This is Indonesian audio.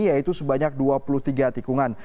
yaitu sebanyak dua puluh tiga tikungan